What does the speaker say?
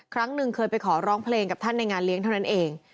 ครั้งหนึ่งเคยไปขอร้องเพลงกับท่านในงานเลี้ยงเท่านั้นเอง